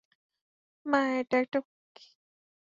মা, এটা একটা খুকি।